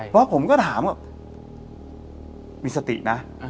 เพราะผมก็ถามว่ามีสตินะ